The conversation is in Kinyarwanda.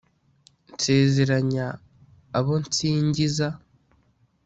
nsezeranya abo nsingiza